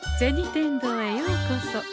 天堂へようこそ。